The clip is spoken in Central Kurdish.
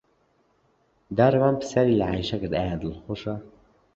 دارەوان پرسیاری لە عایشە کرد ئایا دڵخۆشە.